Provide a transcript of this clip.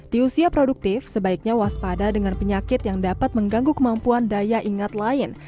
di usia produktif sebaiknya waspada dengan penyakit yang dapat mengganggu kemampuan daya ingat lain